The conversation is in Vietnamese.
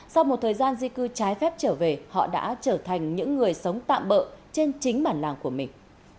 sau một thời gian di cư trái phép trở về họ đã trở thành những người sống tạm bỡ trên chính bản làng của mình